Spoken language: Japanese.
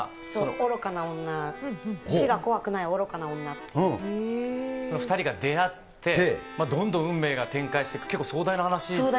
愚かな女、死が怖くない愚かその２人が出会って、どんどん運命が展開していく、結構壮大な話で。